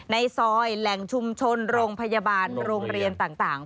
ในซอยแหล่งชุมชนโรงพยาบาลโรงเรียนต่าง